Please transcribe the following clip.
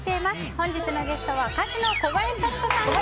本日のゲストは歌手の小林幸子さんです。